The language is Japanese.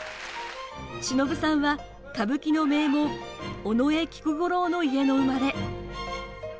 しのぶさんは、歌舞伎の名門尾上菊五郎の家の生まれ。